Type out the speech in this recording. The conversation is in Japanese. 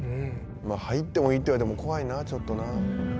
「入ってもいいって言われても怖いなちょっとな」